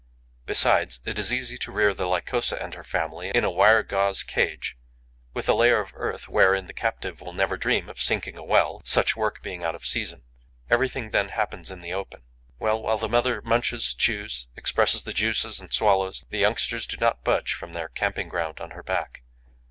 Besides, it is easy to rear the Lycosa and her family in a wire gauze cage, with a layer of earth wherein the captive will never dream of sinking a well, such work being out of season. Everything then happens in the open. Well, while the mother munches, chews, expresses the juices and swallows, the youngsters do not budge from their camping ground on her back.